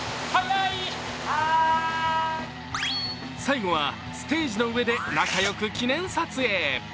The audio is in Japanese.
最後はステージの上で仲良く記念撮影。